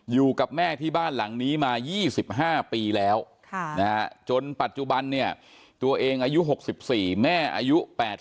อยู่กับแม่ที่บ้านหลังนี้มา๒๕ปีแล้วจนปัจจุบันเนี่ยตัวเองอายุ๖๔แม่อายุ๘๐